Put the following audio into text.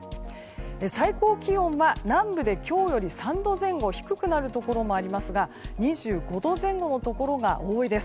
最高気温は南部で今日より３度前後低くなるところがありますが２５度前後のところが多いです。